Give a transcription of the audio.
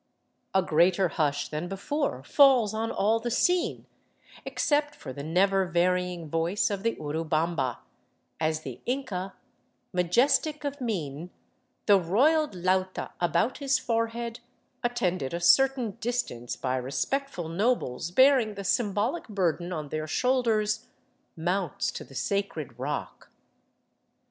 A greater hush than before falls on all the scene, except for the never varying voice of the Urubamba, as the Inca, majestic of mien, the royal llauta about his forehead, attended a certain dis tance by respectful nobles bearing the symbolic burden on their shoul ders, mounts to the sacred rock.